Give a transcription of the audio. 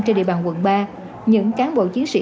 trên địa bàn quận ba những cán bộ chiến sĩ